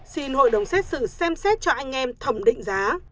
xin hội đồng xét xử xem xét cho anh em thẩm định giá